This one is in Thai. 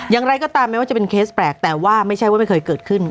อย่างไรก็ตามแม้ว่าจะเป็นเคสแปลกแต่ว่าไม่ใช่ว่าไม่เคยเกิดขึ้น